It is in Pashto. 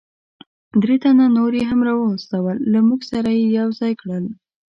درې تنه نور یې هم را وستل، له موږ سره یې یو ځای کړل.